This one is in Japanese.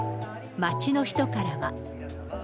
街の人からは。